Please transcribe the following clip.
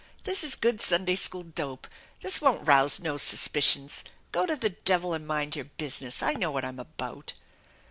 This is good Sunday School dope ! This won't rouse no suspicions. Go to the devil and mind your business ! I know what I'm about